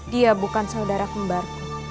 dia bukan saudara kembar